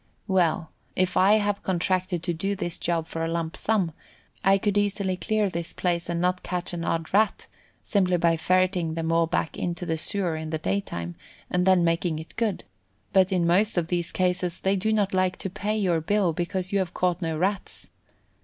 Well, if I have contracted to do this job for a lump sum, I could easily clear this place and not catch an odd Rat, simply by ferreting them all back into the sewer in the daytime, and then making it good; but in most of these cases they do not like to pay your bill because you have caught no Rats.